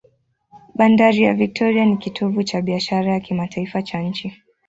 Bandari ya Victoria ni kitovu cha biashara ya kimataifa cha nchi.